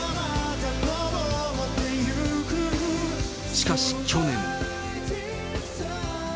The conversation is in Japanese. しかし去年。